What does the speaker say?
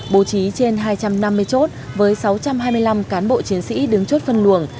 bố trí trên hai trăm năm mươi chốt với sáu trăm hai mươi năm cán bộ chiến sĩ đứng chốt phân luồng